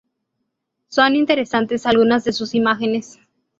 Son interesantes algunas de sus imágenes.